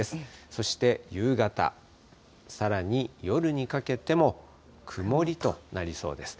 そして夕方、さらに夜にかけても、曇りとなりそうです。